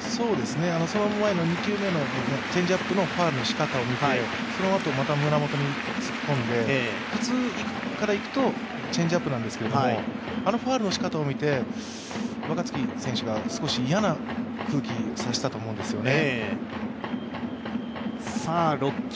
その前の２球目のチェンジアップのファウルのしかたを見てそのあとまた胸元に突っ込んで、普通からいくとチェンジアップなんですけどあのファウルのしかたを見て、若月選手が少し嫌な空気を察したと思うんですよね。